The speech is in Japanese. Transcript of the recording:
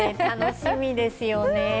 楽しみですよね。